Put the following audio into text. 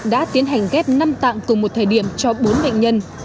đã tiến hành ghép năm tạng cùng một thời điểm cho bốn bệnh nhân